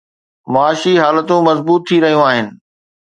معاشي حالتون مضبوط ٿي رهيون آهن.